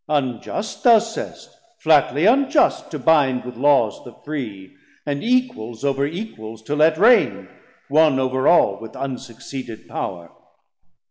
unjust thou saist Flatly unjust, to binde with Laws the free, And equal over equals to let Reigne, One over all with unsucceeded power.